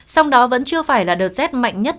song đó vẫn chưa phải là đợt rét mạnh nhất